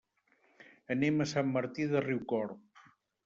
Anem a Sant Martí de Riucorb.